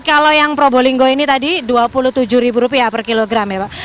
kalau yang pro bolinggo ini tadi dua puluh tujuh rupiah per kilogram ya pak